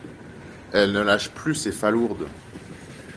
Elle ne lâche plus ses falourdes.